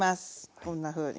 こんなふうに。